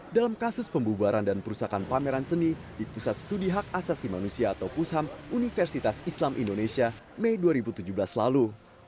dalam kasus pembubaran dan perusahaan pameran seni di pusat studi hak asasi manusia atau pusham universitas islam indonesia mei dua ribu tujuh belas lalu